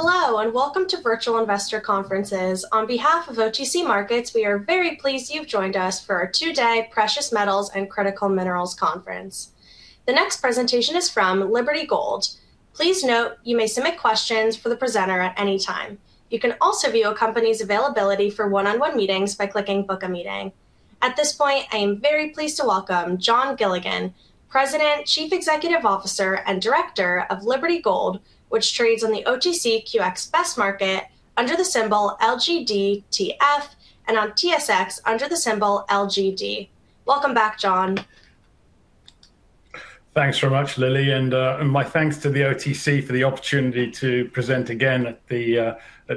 Hello, and welcome to Virtual Investor Conferences. On behalf of OTC Markets, we are very pleased you've joined us for our Two-Day Precious Metals and Critical Minerals Conference. The next presentation is from Liberty Gold. Please note you may submit questions for the presenter at any time. You can also view a company's availability for one-on-one meetings by clicking "Book a Meeting." At this point, I am very pleased to welcome Jon Gilligan, President, Chief Executive Officer, and Director of Liberty Gold, which trades on the OTCQX Best Market under the symbol LGDTF, and on TSX under the symbol LGD. Welcome back, Jon. Thanks very much, Lily, and my thanks to the OTC for the opportunity to present again at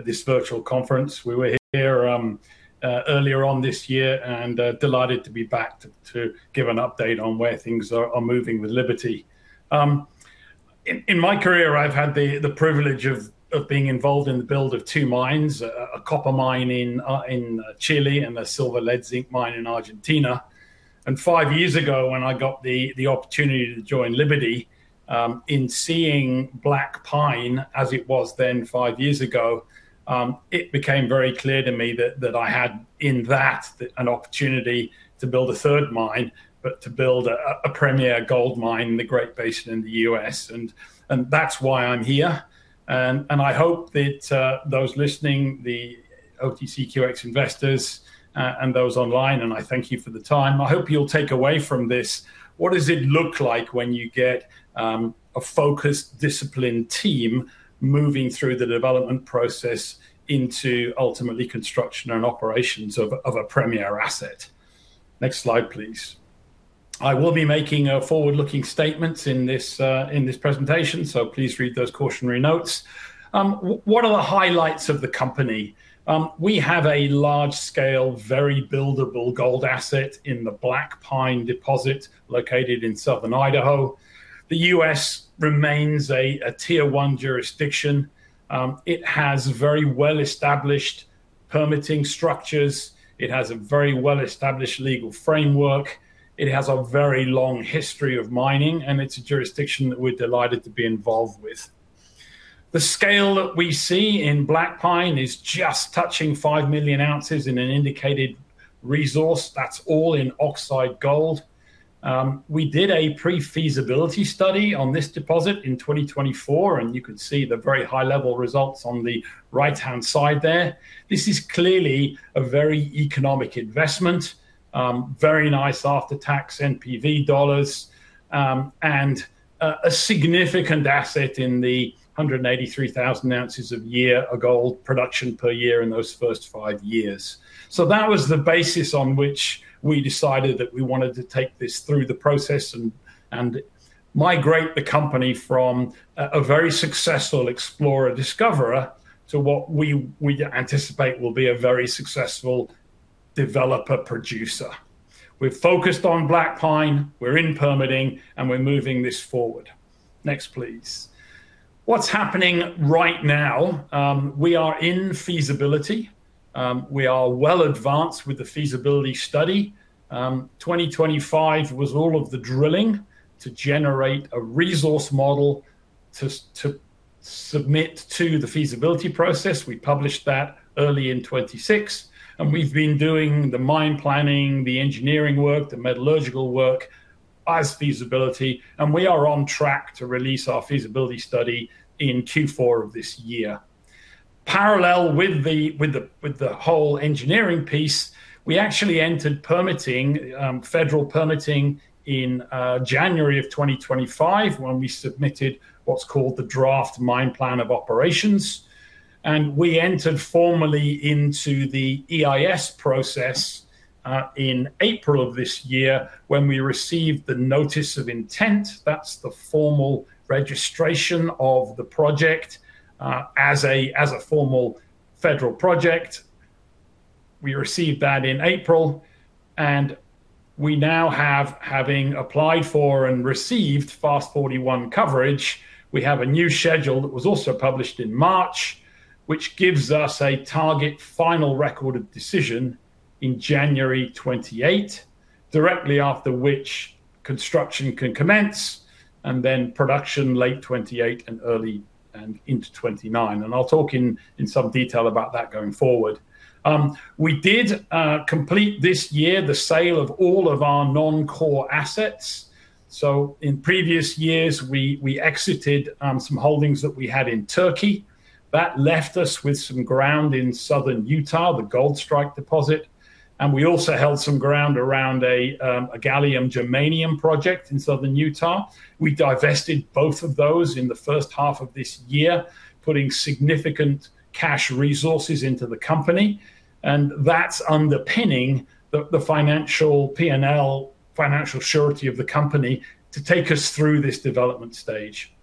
this virtual conference. We were here earlier on this year and delighted to be back to give an update on where things are moving with Liberty. In my career, I've had the privilege of being involved in the build of two mines, a copper mine in Chile and a silver, lead, zinc mine in Argentina. Five years ago, when I got the opportunity to join Liberty, in seeing Black Pine as it was then five years ago, it became very clear to me that I had in that an opportunity to build a third mine, but to build a premier gold mine in the Great Basin in the U.S., and that's why I'm here. I hope that those listening, the OTCQX Investors and those online, and I thank you for the time, I hope you'll take away from this what does it look like when you get a focused, disciplined team moving through the development process into ultimately construction and operations of a premier asset. Next slide, please. I will be making forward-looking statements in this presentation, so please read those cautionary notes. What are the highlights of the company? We have a large-scale, very buildable gold asset in the Black Pine deposit located in southern Idaho. The U.S. remains a Tier 1 jurisdiction. It has very well-established permitting structures. It has a very well-established legal framework. It has a very long history of mining, and it's a jurisdiction that we're delighted to be involved with. The scale that we see in Black Pine is just touching 5 million ounces in an indicated resource. That's all in oxide gold. We did a pre-feasibility study on this deposit in 2024, and you can see the very high-level results on the right-hand side there. This is clearly a very economic investment. Very nice after-tax CAD NPV, and a significant asset in the 183,000 ounces a year of gold production per year in those first five years. That was the basis on which we decided that we wanted to take this through the process and migrate the company from a very successful explorer discoverer to what we anticipate will be a very successful developer producer. We're focused on Black Pine, we're in permitting, and we're moving this forward. Next, please. What's happening right now? We are in feasibility. We are well advanced with the feasibility study. 2025 was all of the drilling to generate a resource model to submit to the feasibility process. We published that early in 2026, and we've been doing the mine planning, the engineering work, the metallurgical work as feasibility, and we are on track to release our feasibility study in Q4 of this year. Parallel with the whole engineering piece, we actually entered federal permitting in January of 2025 when we submitted what's called the Draft Mine Plan of Operations. We entered formally into the EIS process in April of this year when we received the Notice of Intent. That's the formal registration of the project as a formal federal project. We received that in April, and we now have, having applied for and received FAST-41 coverage, we have a new schedule that was also published in March, which gives us a target final Record of Decision in January 2028, directly after which construction can commence, and then production late 2028 and into 2029. I'll talk in some detail about that going forward. We did complete this year the sale of all of our non-core assets. In previous years, we exited some holdings that we had in Turkey. That left us with some ground in southern Utah, the Goldstrike deposit, and we also held some ground around a gallium germanium project in southern Utah. We divested both of those in the first half of this year, putting significant cash resources into the company, and that's underpinning the financial P&L, financial surety of the company to take us through this development stage.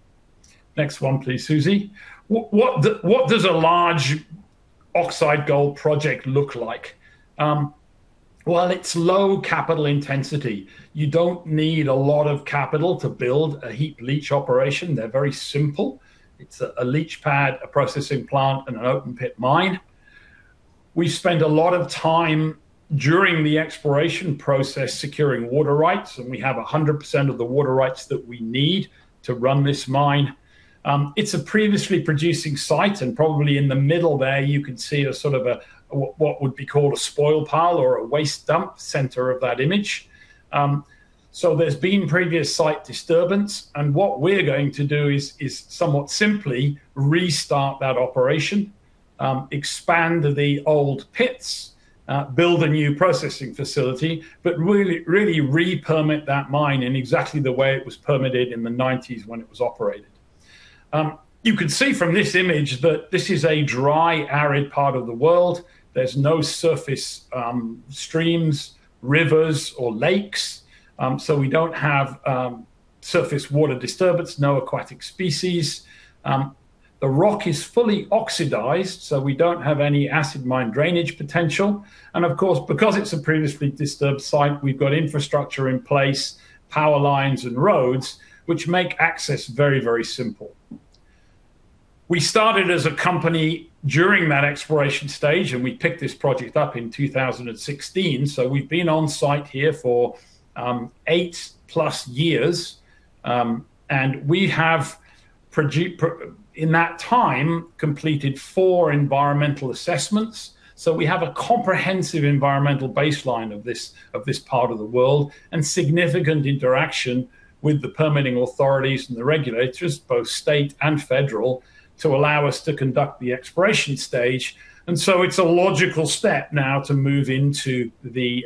Next one please, Susie. What does a large oxide gold project look like? Well, it's low capital intensity. You don't need a lot of capital to build a heap leach operation. They're very simple. It's a leach pad, a processing plant, and an open-pit mine. We spent a lot of time during the exploration process securing water rights, and we have 100% of the water rights that we need to run this mine. It's a previously producing site, and probably in the middle there, you can see what would be called a spoil pile or a waste dump center of that image. There's been previous site disturbance. What we're going to do is somewhat simply restart that operation, expand the old pits, build a new processing facility, but really re-permit that mine in exactly the way it was permitted in the 1990s when it was operated. You can see from this image that this is a dry, arid part of the world. There's no surface streams, rivers, or lakes. So we don't have surface water disturbance, no aquatic species. The rock is fully oxidized, so we don't have any acid mine drainage potential. Of course, because it's a previously disturbed site, we've got infrastructure in place, power lines and roads, which make access very simple. We started as a company during that exploration stage, and we picked this project up in 2016. So we've been on site here for 8+ years. We have, in that time, completed four environmental assessments. So we have a comprehensive environmental baseline of this part of the world and significant interaction with the permitting authorities and the regulators, both state and federal, to allow us to conduct the exploration stage. So it's a logical step now to move into the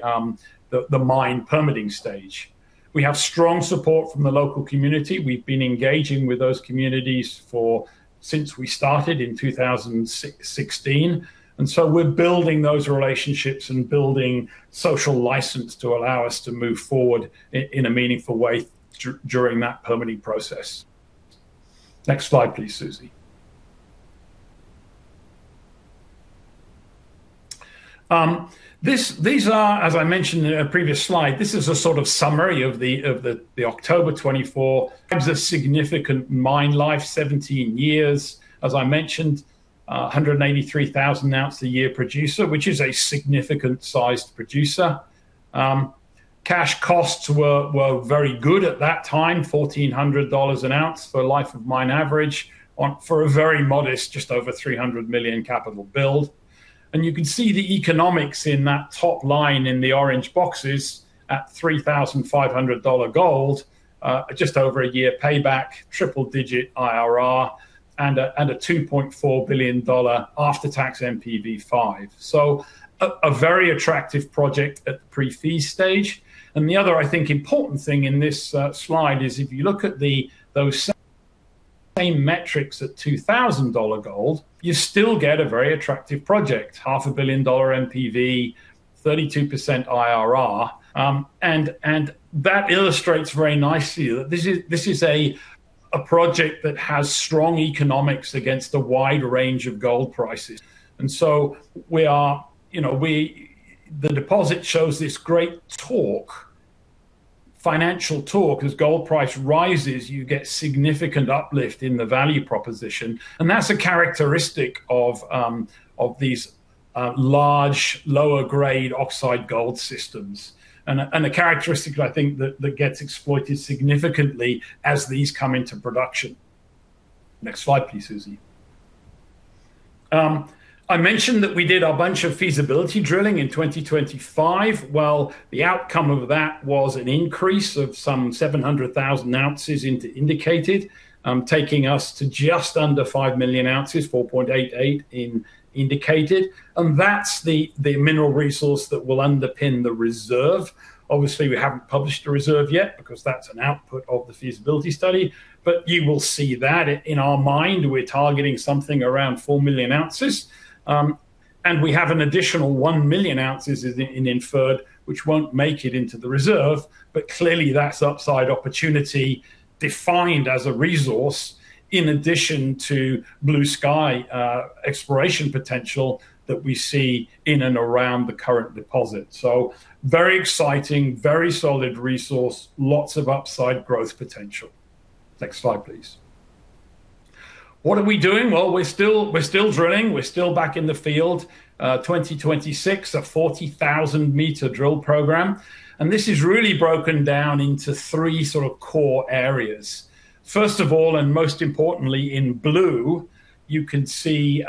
mine permitting stage. We have strong support from the local community. We've been engaging with those communities since we started in 2016. We're building those relationships and building social license to allow us to move forward in a meaningful way during that permitting process. Next slide, please, Susie. As I mentioned in a previous slide, this is a summary of the October 24. It was a significant mine life, 17 years. As I mentioned, 183,000 ounce a year producer, which is a significant-sized producer. Cash costs were very good at that time, 1,400 dollars an ounce for life of mine average for a very modest, just over 300 million capital build. You can see the economics in that top line in the orange boxes at 3,500 dollar gold, just over a year payback, triple-digit IRR, and a 2.4 billion dollar after-tax NPV5. A very attractive project at the pre-fee stage. The other, I think, important thing in this slide is if you look at those same metrics at 2,000 dollar gold, you still get a very attractive project. Half a billion CAD NPV, 32% IRR. That illustrates very nicely that this is a project that has strong economics against a wide range of gold prices. The deposit shows this great financial talk. As gold price rises, you get significant uplift in the value proposition. That's a characteristic of these large, lower-grade oxide gold systems and a characteristic that I think gets exploited significantly as these come into production. Next slide, please, Susie. I mentioned that we did a bunch of feasibility drilling in 2025. Well, the outcome of that was an increase of some 700,000 ounces into indicated, taking us to just under 5 million ounces, 4.88 in indicated. That's the mineral resource that will underpin the reserve. Obviously, we haven't published a reserve yet because that's an output of the feasibility study. You will see that in our mind, we're targeting something around 4 million ounces. We have an additional 1 million ounces in inferred, which won't make it into the reserve. Clearly, that's upside opportunity defined as a resource in addition to blue sky exploration potential that we see in and around the current deposit. Very exciting, very solid resource, lots of upside growth potential. Next slide, please. What are we doing? Well, we're still drilling. We're still back in the field. 2026, a 40,000-meter drill program. This is really broken down into three core areas. First of all, most importantly in blue, you can see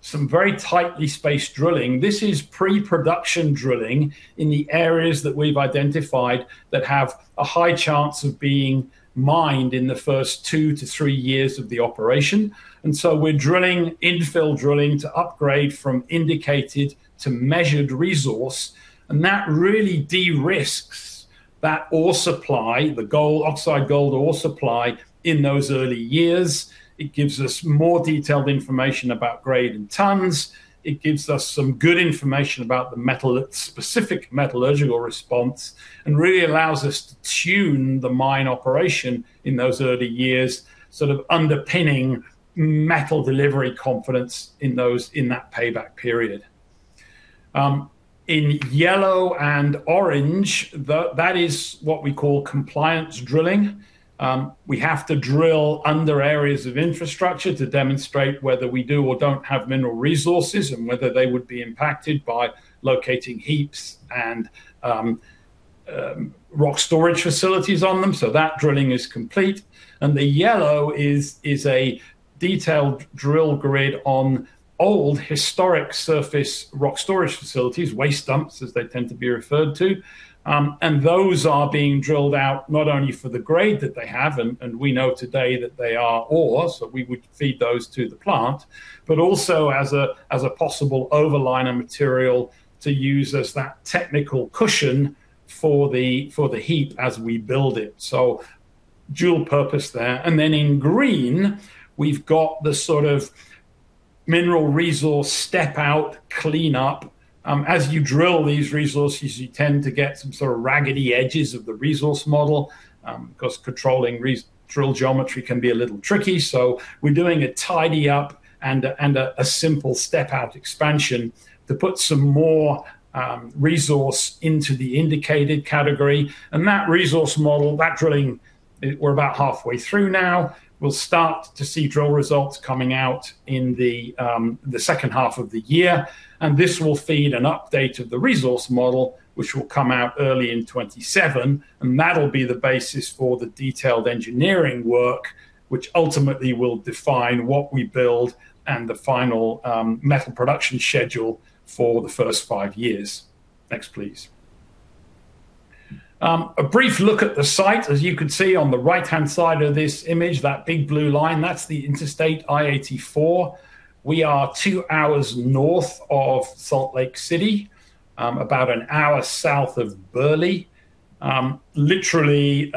some very tightly spaced drilling. This is pre-production drilling in the areas that we've identified that have a high chance of being mined in the first two to three years of the operation. We're drilling infill drilling to upgrade from indicated to measured resource, and that really de-risks that ore supply, the oxide gold ore supply in those early years. It gives us more detailed information about grade and tonnes. It gives us some good information about the specific metallurgical response and really allows us to tune the mine operation in those early years, underpinning metal delivery confidence in that payback period. In yellow and orange, that is what we call compliance drilling. We have to drill under areas of infrastructure to demonstrate whether we do or don't have mineral resources, and whether they would be impacted by locating heaps and rock storage facilities on them. That drilling is complete. The yellow is a detailed drill grid on old historic surface rock storage facilities, waste dumps as they tend to be referred to. Those are being drilled out not only for the grade that they have, and we know today that they are ore, so we would feed those to the plant, but also as a possible overliner material to use as that technical cushion for the heap as we build it. Dual purpose there. In green, we've got the sort of mineral resource step out clean up. As you drill these resources, you tend to get some sort of raggedy edges of the resource model, because controlling drill geometry can be a little tricky. We're doing a tidy up and a simple step-out expansion to put some more resource into the indicated category. That resource model, that drilling, we're about halfway through now. We'll start to see drill results coming out in the second half of the year. This will feed an update of the resource model, which will come out early in 2027. That'll be the basis for the detailed engineering work, which ultimately will define what we build and the final metal production schedule for the first five years. Next, please. A brief look at the site. You can see on the right-hand side of this image, that big blue line, that's the Interstate I-84. We are two hours north of Salt Lake City, about an hour south of Burley. Literally,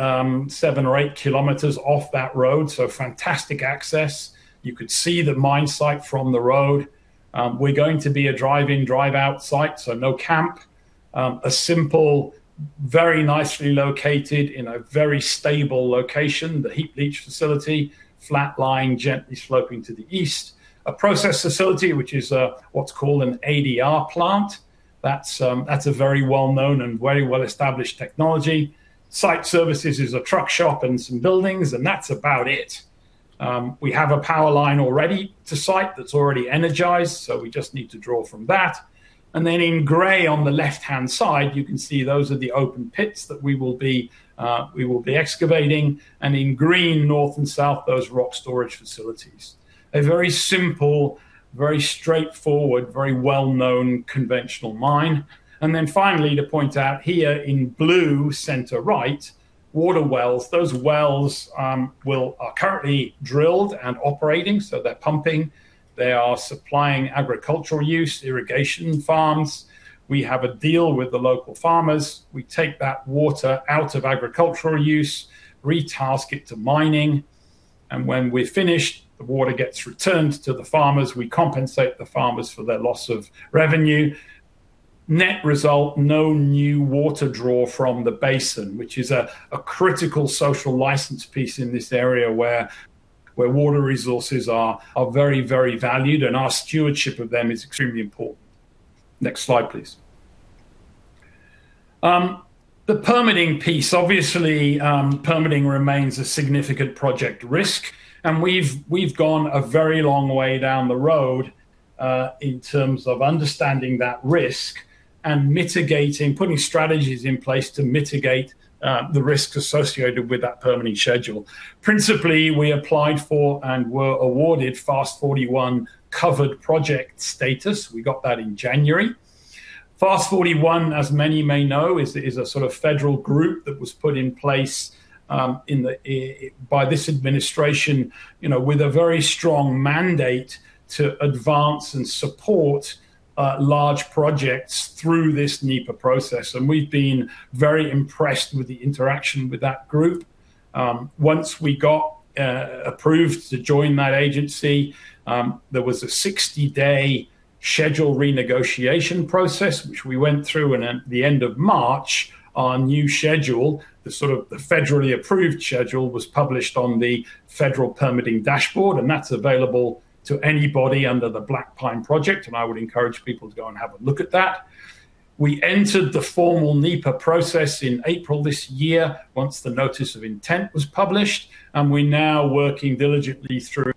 seven or eight kilometers off that road, so fantastic access. You could see the mine site from the road. We're going to be a drive-in drive-out site, so no camp. A simple, very nicely located in a very stable location, the heap leach facility, flat line, gently sloping to the east. A process facility, which is what's called an ADR plant. That's a very well-known and very well-established technology. Site services is a truck shop and some buildings, and that's about it. We have a power line already to site that's already energized, so we just need to draw from that. In gray on the left-hand side, you can see those are the open pits that we will be excavating. In green, north and south, those rock storage facilities. A very simple, very straightforward, very well-known conventional mine. Finally to point out here in blue, center right, water wells. Those wells are currently drilled and operating, so they're pumping. They are supplying agricultural use, irrigation farms. We have a deal with the local farmers. We take that water out of agricultural use, re-task it to mining, and when we're finished, the water gets returned to the farmers. We compensate the farmers for their loss of revenue. Net result, no new water draw from the basin, which is a critical social license piece in this area where water resources are very, very valued, and our stewardship of them is extremely important. Next slide, please. The permitting piece. Obviously, permitting remains a significant project risk, and we've gone a very long way down the road, in terms of understanding that risk and mitigating, putting strategies in place to mitigate the risk associated with that permitting schedule. Principally, we applied for and were awarded FAST-41 covered project status. We got that in January. FAST-41, as many may know, is a sort of federal group that was put in place by this administration with a very strong mandate to advance and support large projects through this NEPA process. We've been very impressed with the interaction with that group. Once we got approved to join that agency, there was a 60-day schedule renegotiation process, which we went through, and at the end of March, our new schedule, the federally approved schedule, was published on the federal permitting dashboard, and that's available to anybody under the Black Pine Project, I would encourage people to go and have a look at that. We entered the formal NEPA process in April this year once the Notice of Intent was published, we're now working diligently through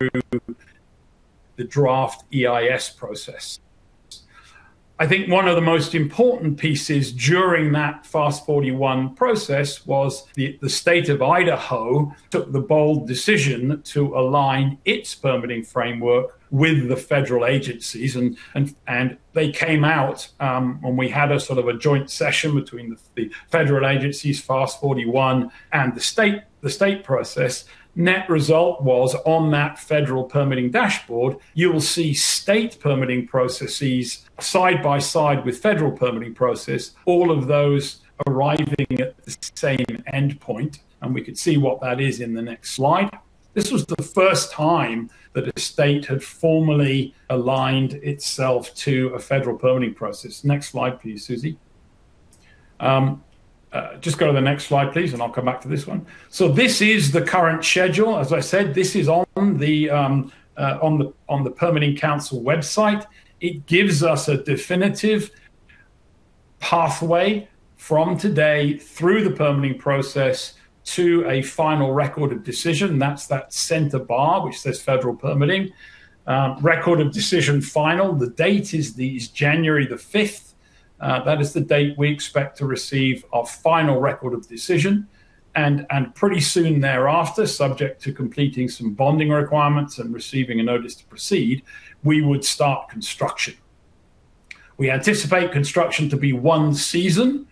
the Draft EIS process. I think one of the most important pieces during that FAST-41 process was the State of Idaho took the bold decision to align its permitting framework with the federal agencies. They came out, when we had a sort of a joint session between the federal agencies, FAST-41, and the state process. Net result was on that federal permitting dashboard, you will see state permitting processes side by side with federal permitting process, all of those arriving at the same endpoint, and we could see what that is in the next slide. This was the first time that a state had formally aligned itself to a federal permitting process. Next slide, please, Susie. Just go to the next slide, please, I'll come back to this one. So this is the current schedule. As I said, this is on the Permitting Council website. It gives us a definitive pathway from today through the permitting process to a final Record of Decision. That's that center bar which says federal permitting. Record of Decision final. The date is January the 5th. That is the date we expect to receive our final Record of Decision. Pretty soon thereafter, subject to completing some bonding requirements and receiving a notice to proceed, we would start construction. We anticipate construction to be one season,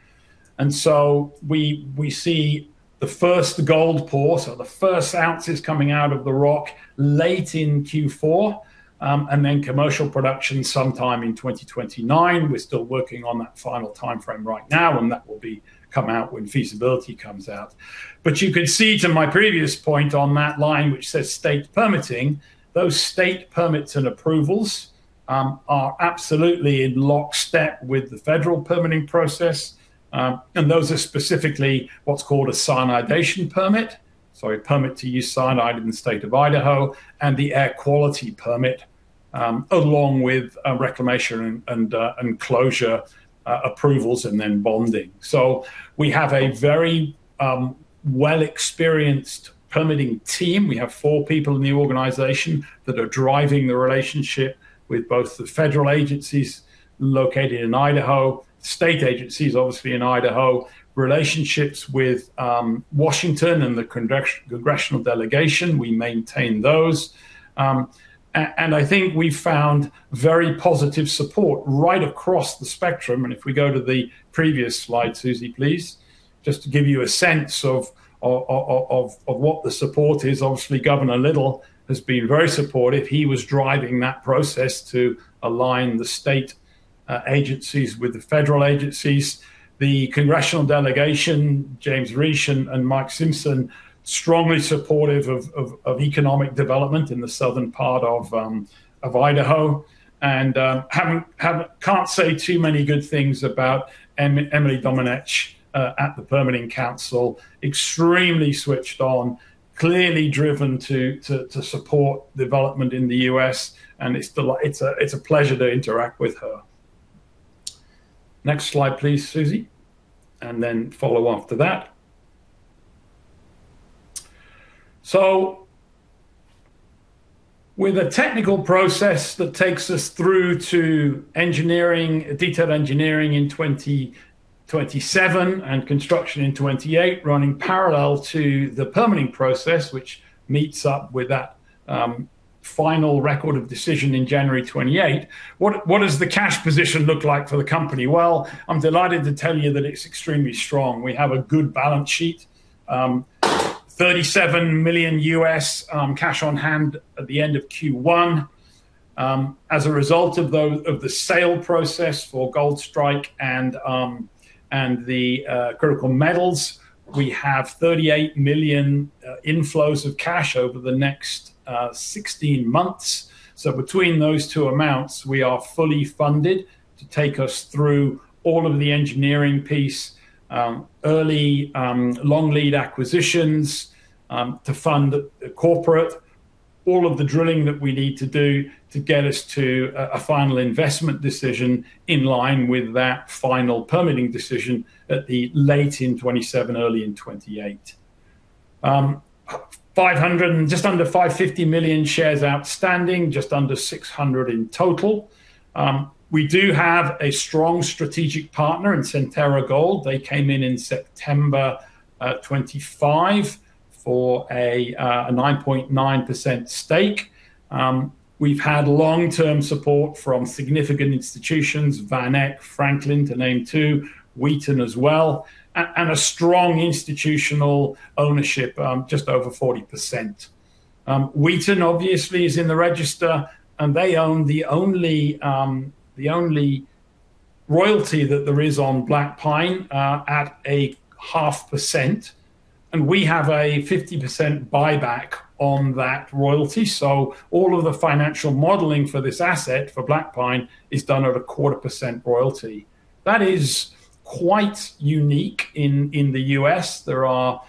we see the first gold pour. So the first ounces coming out of the rock late in Q4, commercial production sometime in 2029. We're still working on that final timeframe right now, and that will come out when feasibility comes out. You can see to my previous point on that line, which says state permitting, those state permits and approvals are absolutely in lockstep with the federal permitting process. Those are specifically what's called a cyanidation permit. Sorry, permit to use cyanide in the State of Idaho, the air quality permit, along with reclamation and closure approvals. Then bonding. We have a very well experienced permitting team. We have four people in the organization that are driving the relationship with both the federal agencies located in Idaho, state agencies, obviously in Idaho, relationships with Washington and the congressional delegation. We maintain those. I think we've found very positive support right across the spectrum. If we go to the previous slide, Susie, please, just to give you a sense of what the support is. Obviously, Governor Little has been very supportive. He was driving that process to align the state agencies with the federal agencies. The congressional delegation, James Risch and Mike Simpson, strongly supportive of economic development in the southern part of Idaho and can't say too many good things about Emily Domenech at the Permitting Council. Extremely switched on, clearly driven to support development in the U.S., and it's a pleasure to interact with her. Next slide, please, Susie, and then follow after that. With a technical process that takes us through to detailed engineering in 2027 and construction in 2028 running parallel to the permitting process, which meets up with that final Record of Decision in January 2028. What does the cash position look like for the company? I'm delighted to tell you that it's extremely strong. We have a good balance sheet. $37 million U.S. cash on hand at the end of Q1. As a result of the sale process for Goldstrike and the critical metals, we have 38 million inflows of cash over the next 16 months. Between those two amounts, we are fully funded to take us through all of the engineering piece, early long lead acquisitions to fund the corporate, all of the drilling that we need to do to get us to a final investment decision in line with that final permitting decision at the late in 2027, early in 2028. Just under 550 million shares outstanding, just under 600 in total. We do have a strong strategic partner in Centerra Gold. They came in in September 2025 for a 9.9% stake. We've had long-term support from significant institutions, VanEck, Franklin, to name two, Wheaton as well, and a strong institutional ownership, just over 40%. Wheaton obviously is in the register, and they own the only royalty that there is on Black Pine at a 0.5%, and we have a 50% buyback on that royalty. All of the financial modeling for this asset for Black Pine is done at a 0.25% royalty. That is quite unique in the U.S. There are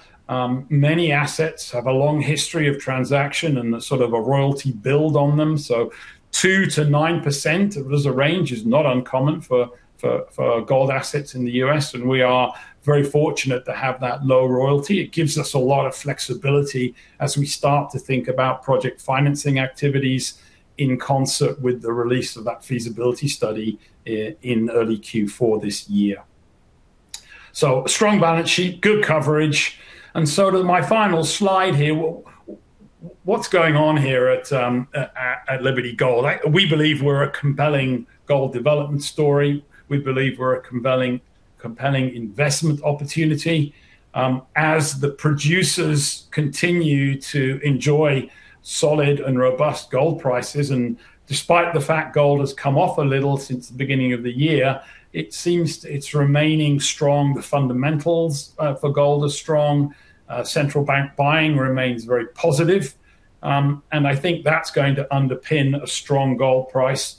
many assets have a long history of transaction and sort of a royalty build on them. 2%-9% as a range is not uncommon for gold assets in the U.S., and we are very fortunate to have that low royalty. It gives us a lot of flexibility as we start to think about project financing activities in concert with the release of that feasibility study in early Q4 this year. Strong balance sheet, good coverage, to my final slide here, what's going on here at Liberty Gold? We believe we're a compelling gold development story. We believe we're a compelling investment opportunity. The producers continue to enjoy solid and robust gold prices, despite the fact gold has come off a little since the beginning of the year, it seems it's remaining strong. The fundamentals for gold are strong. Central bank buying remains very positive. I think that's going to underpin a strong gold price.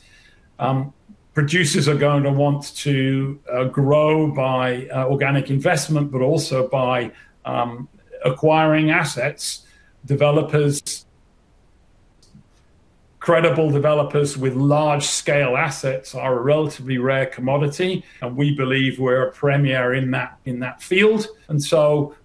Producers are going to want to grow by organic investment, also by acquiring assets. Credible developers with large-scale assets are a relatively rare commodity, we believe we're a premier in that field.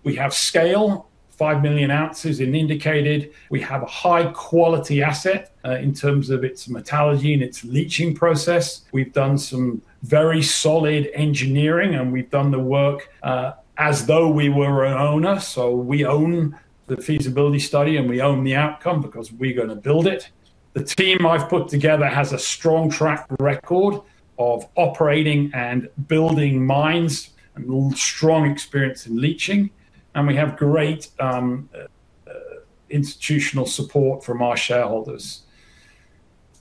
We have scale, 5 million ounces in indicated. We have a high-quality asset in terms of its metallurgy and its leaching process. We've done some very solid engineering, and we've done the work as though we were an owner. We own the feasibility study, and we own the outcome because we're going to build it. The team I've put together has a strong track record of operating and building mines, and strong experience in leaching. We have great institutional support from our shareholders.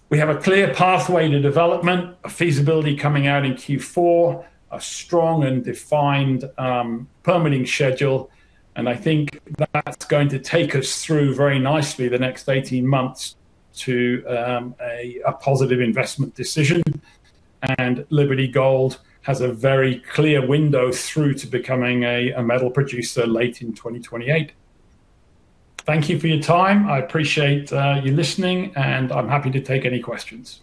We have a clear pathway to development, a feasibility study coming out in Q4, a strong and defined permitting schedule. I think that's going to take us through very nicely the next 18 months to a positive investment decision, and Liberty Gold has a very clear window through to becoming a metal producer late in 2028. Thank you for your time. I appreciate you listening, and I'm happy to take any questions.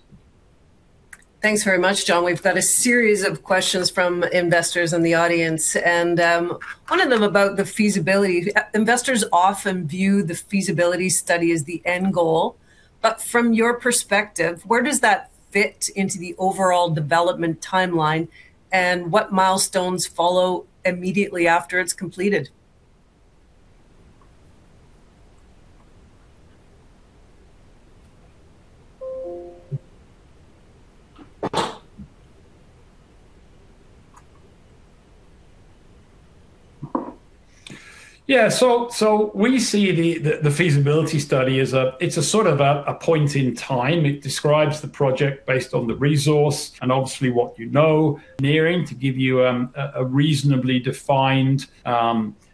Thanks very much, Jon. We've got a series of questions from Investors in the audience, and one of them about the feasibility study. Investors often view the feasibility study as the end goal, but from your perspective, where does that fit into the overall development timeline, and what milestones follow immediately after it's completed? We see the feasibility study as a point in time. It describes the project based on the resource and obviously what you know, nearing to give you a reasonably defined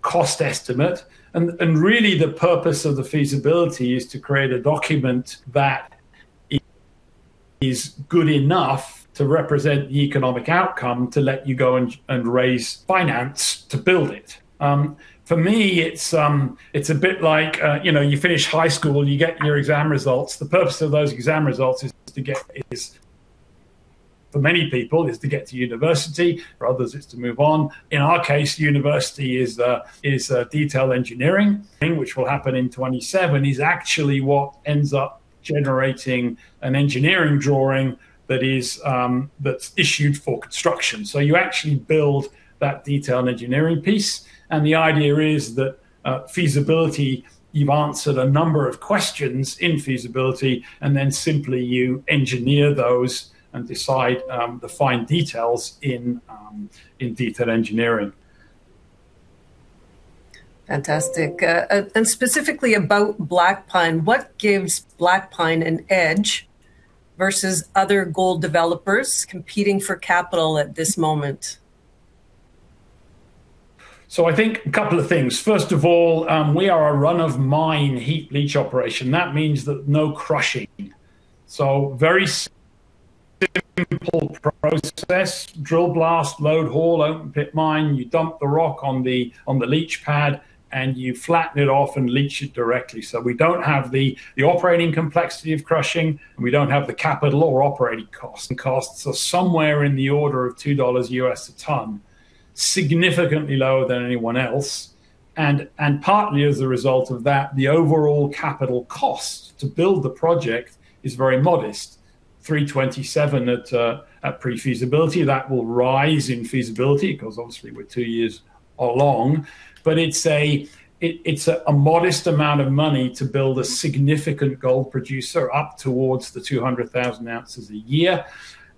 cost estimate. Really the purpose of the feasibility study is to create a document that is good enough to represent the economic outcome to let you go and raise finance to build it. For me, it's a bit like you finish high school, you get your exam results. The purpose of those exam results is, for many people, is to get to university, for others, it's to move on. In our case, university is detailed engineering. Thing which will happen in 2027 is actually what ends up generating an engineering drawing that's issued for construction. You actually build that detailed engineering piece, and the idea is that feasibility study, you've answered a number of questions in feasibility study, and then simply you engineer those and decide the fine details in detailed engineering. Fantastic. Specifically about Black Pine, what gives Black Pine an edge versus other gold developers competing for capital at this moment? I think a couple of things. First of all, we are a run-of-mine heap leach operation. That means no crushing. Very simple process, drill, blast, load, haul, open pit mine. You dump the rock on the leach pad, and you flatten it off and leach it directly. We don't have the operating complexity of crushing, and we don't have the capital or operating costs. The costs are somewhere in the order of $2 US a ton, significantly lower than anyone else. Partly as a result of that, the overall capital cost to build the project is very modest, 327 million at pre-feasibility. That will rise in feasibility, because obviously we're two years along. It's a modest amount of money to build a significant gold producer up towards the 200,000 ounces a year.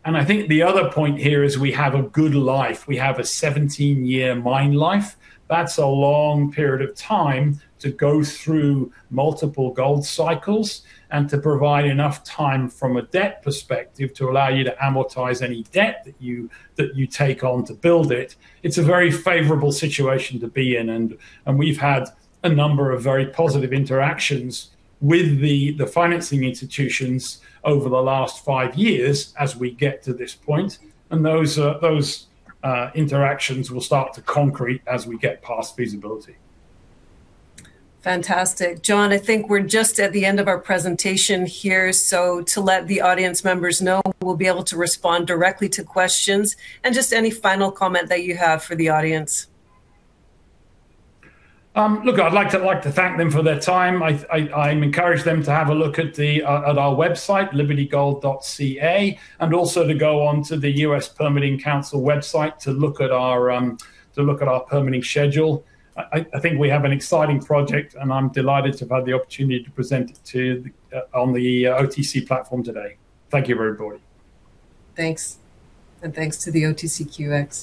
I think the other point here is we have a good life. We have a 17-year mine life. That's a long period of time to go through multiple gold cycles and to provide enough time from a debt perspective to allow you to amortize any debt that you take on to build it. It's a very favorable situation to be in, and we've had a number of very positive interactions with the financing institutions over the last five years as we get to this point, and those interactions will start to concrete as we get past feasibility. Fantastic. Jon, I think we're just at the end of our presentation here, to let the audience members know, we'll be able to respond directly to questions and just any final comment that you have for the audience. I'd like to thank them for their time. I encourage them to have a look at our website, libertygold.ca, and also to go onto the Federal Permitting Improvement Steering Council website to look at our permitting schedule. I think we have an exciting project, and I'm delighted to have had the opportunity to present it on the OTC platform today. Thank you, everybody. Thanks. Thanks to the OTCQX.